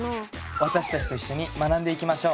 私たちと一緒に学んでいきましょう。